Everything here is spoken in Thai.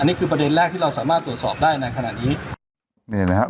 นี่คือประเด็นแรกที่เราสามารถตรวจสอบได้ในขณะนี้นี่เห็นไหมครับ